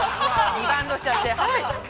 リバウンドしちゃって。